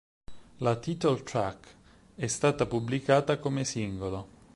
La "title-track" è stata pubblicata come singolo.